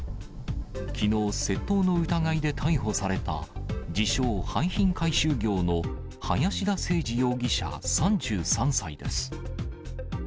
きのう、窃盗の疑いで逮捕された自称、廃品回収業の林田清司容疑者３３歳です。